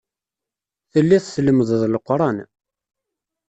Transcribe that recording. Telliḍ tlemmdeḍ Leqran.